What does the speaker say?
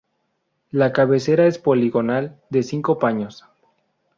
La cabecera es poligonal de cinco paños.